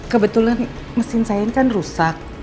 kebetulan mesin saya ini kan rusak